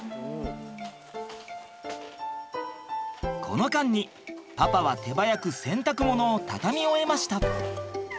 この間にパパは手早く洗濯物を畳み終えました。